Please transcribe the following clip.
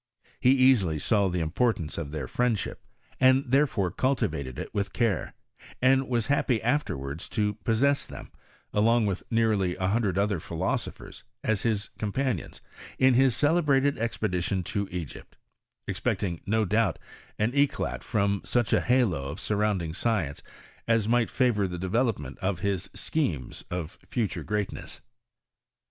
He easily saw the importance of their friendship, and therefore cultivated it with care; and was happy afterwards to possess them, along with nearly « hundred other philosophers, as his companions is his celebrated expedition to Egvpt, expecting n* doubt an eclat from such a halo of surrounding might favour the deTelopment of his schemfes of future ^eatness.